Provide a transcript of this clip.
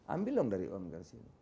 ambil dong dari umkm